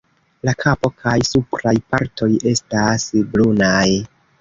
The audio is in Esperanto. La kapo kaj supraj partoj estas brunaj.